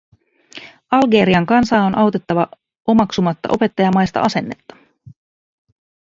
Algerian kansaa on autettava omaksumatta opettajamaista asennetta.